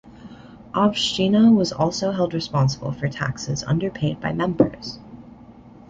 Obshchina was also held responsible for taxes underpaid by members.